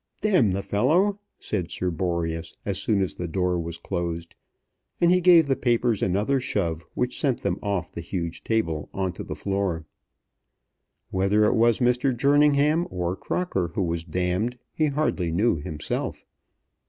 "D the fellow," said Sir Boreas, as soon as the door was closed; and he gave the papers another shove which sent them off the huge table on to the floor. Whether it was Mr. Jerningham or Crocker who was damned, he hardly knew himself.